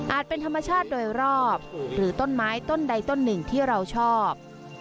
เป็นธรรมชาติโดยรอบหรือต้นไม้ต้นใดต้นหนึ่งที่เราชอบ